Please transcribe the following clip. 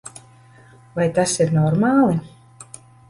Vai tas ir normāli?